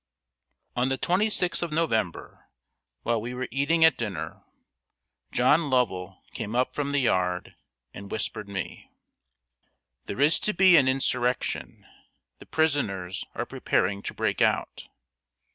] On the 26th of November, while we were sitting at dinner, John Lovell came up from the yard and whispered me: "There is to be an insurrection. The prisoners are preparing to break out."